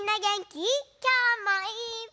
きょうもいっぱい。